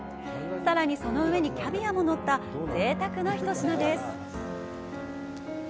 さらに、その上にキャビアものったぜいたくな一品です。